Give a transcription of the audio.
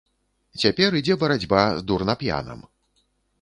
Цяпер ідзе барацьба з дурнап'янам.